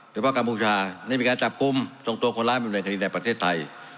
โดยเฉพาะกรรมภูมิชานี่มีการจับกลุ่มทรงตัวคนร้ายเป็นบริเวณคลินในประเทศไทย